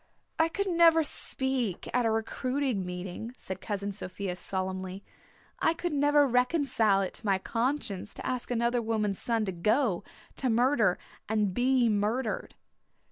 "I could never speak at a recruiting meeting," said Cousin Sophia solemnly. "I could never reconcile it to my conscience to ask another woman's son to go, to murder and be murdered."